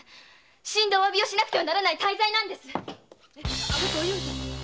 死んでお詫びをしなければならない大罪なんです！